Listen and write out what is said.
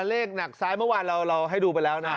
เลขหนักซ้ายเมื่อวานเราให้ดูไปแล้วนะ